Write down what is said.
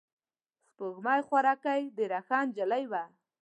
سپوږمۍ خوارکۍ ډېره ښه نجلۍ وه.